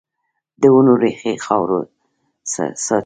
د ونو ریښې خاوره ساتي